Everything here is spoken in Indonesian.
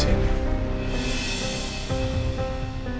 tahu wang gue disini